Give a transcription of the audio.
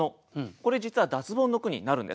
これ実は脱ボンの句になるんです。